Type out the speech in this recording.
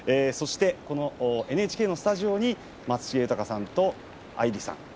このＮＨＫのスタジオに松重豊さんとアイリさん。